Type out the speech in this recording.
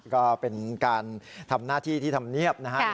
ก็เป็นการทำหน้าที่ที่ทำเนียบนะครับ